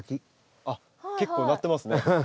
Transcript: あっ結構なってますね。